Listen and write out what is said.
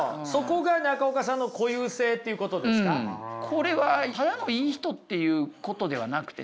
これはただのいい人っていうことではなくてね